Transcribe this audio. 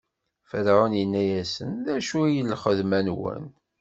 Ferɛun inna-yasen: D acu i d lxedma-nwen?